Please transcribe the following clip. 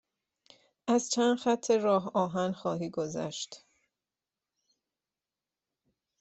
از چند خط راه آهن خواهی گذشت.